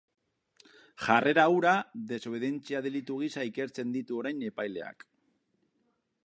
Jarrera hura desobedentzia delitu gisa ikertzen ditu orain epaileak.